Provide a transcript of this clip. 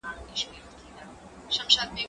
هغه څوک چي وخت تنظيموي منظم وي!.